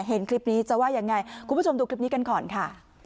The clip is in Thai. เห็นคลิปนี้จะว่ายังไงคุณผู้ชมดูคลิปนี้กันก่อนค่ะ